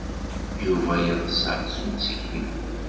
Yuba yeḍsa-d s uttihi.